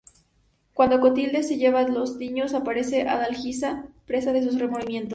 Cuando Clotilde se lleva a los niños, aparece Adalgisa, presa de sus remordimientos.